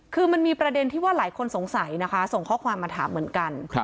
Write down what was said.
คือมันมีประเด็นที่ว่าหลายคนสงสัยนะคะส่งข้อความมาถามเหมือนกัน